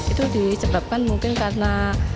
itu disebabkan mungkin karena